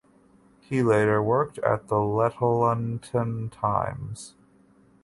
He later worked at the "Lyttelton Times".